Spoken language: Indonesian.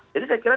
jadi saya kira